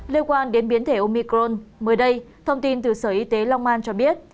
lê quang đến biến thể omicron mới đây thông tin từ sở y tế long an cho biết